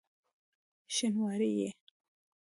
شینواری یې؟!